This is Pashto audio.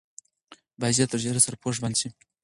باید ژر تر ژره سرپوش بند شي.